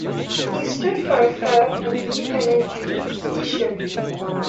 He stood for a fair and independent judiciary.